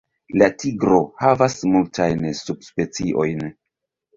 La tigro havas multajn subspeciojn.